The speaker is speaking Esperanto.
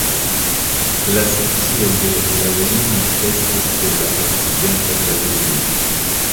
La sekcio de la virinoj estis sur la okcidenta galerio.